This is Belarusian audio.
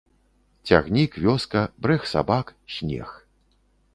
Цягнік, вёска, брэх сабак, снег.